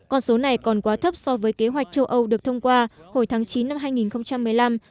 con số này còn quá thấp so với kế hoạch châu âu được thông qua hồi tháng chín năm hai nghìn một mươi năm